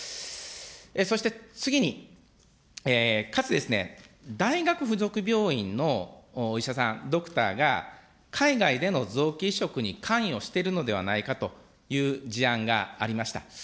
そして次に、かつてですね、大学付属病院のお医者さん、ドクターが、海外での臓器移植に関与してるのではないかという事案がありました。